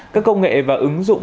các công nghệ và ứng dụng